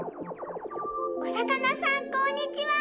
おさかなさんこんにちは！